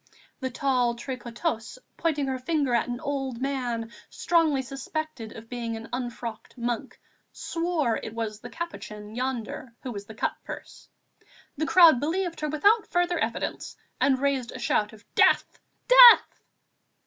The tall tricoteuse, pointing her finger at an old man, strongly suspected of being an unfrocked monk, swore it was the "Capuchin" yonder who was the cut purse. The crowd believed her without further evidence and raised a shout of "Death! death!"